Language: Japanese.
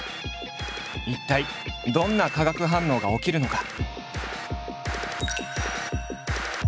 一体どんな化学反応が起きるのか？